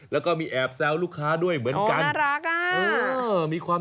แล้วก็มีแอบแซวลูกค้าด้วยเหมือนกัน